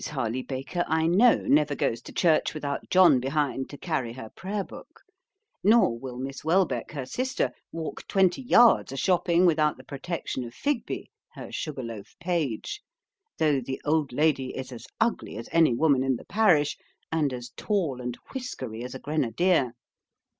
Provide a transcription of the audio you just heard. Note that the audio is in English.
Harley Baker, I know, never goes to church without John behind to carry her prayer book; nor will Miss Welbeck, her sister, walk twenty yards a shopping without the protection of Figby, her sugar loaf page; though the old lady is as ugly as any woman in the parish and as tall and whiskery as a grenadier.